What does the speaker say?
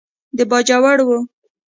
د باجوړ و.